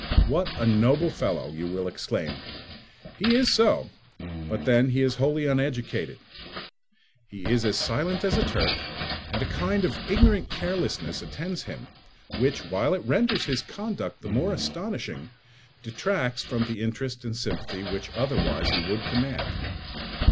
"What a noble fellow!" you will exclaim. He is so; but then he is wholly uneducated: he is as silent as a Turk, and a kind of ignorant carelessness attends him, which, while it renders his conduct the more astonishing, detracts from the interest and sympathy which otherwise he would command.